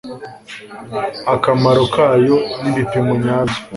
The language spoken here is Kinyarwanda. akamaro kayo n'ibipimo nyabyo